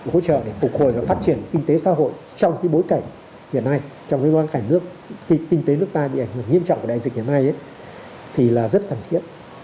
hỗ trợ để phục hồi và phát triển kinh tế xã hội trong bối cảnh hiện nay trong cái bối cảnh nước kinh tế nước ta bị ảnh hưởng nghiêm trọng của đại dịch hiện nay thì là rất cần thiết